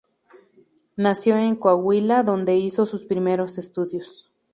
Nació en Coahuila, donde hizo sus primeros estudios.